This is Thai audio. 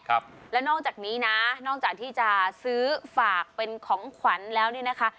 ครับแล้วนอกจากนี้นะนอกจากที่จะซื้อฝากเป็นของขวัญแล้วเนี่ยนะคะ